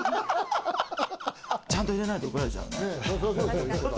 ちゃんと入れないと、怒られちゃう。